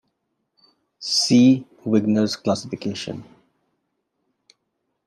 See Wigner's classification.